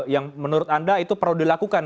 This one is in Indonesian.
yang menurut anda itu perlu dilakukan